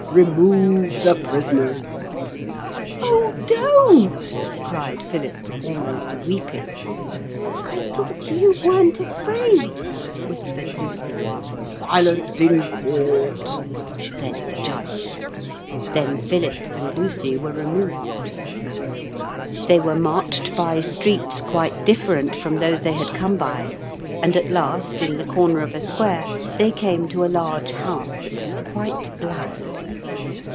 Remove the prisoners.' 'Oh, don't!' cried Philip, almost weeping. 'I thought you weren't afraid,' whispered Lucy. 'Silence in court,' said the judge. Then Philip and Lucy were removed. They were marched by streets quite different from those they had come by, and at last in the corner of a square they came to a large house that was quite black.